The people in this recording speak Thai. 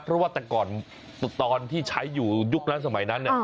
เพราะว่าแต่ก่อนตอนที่ใช้อยู่ยุคนั้นสมัยนั้น